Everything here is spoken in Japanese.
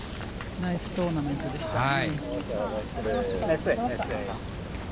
ナイストーナメントでしたね。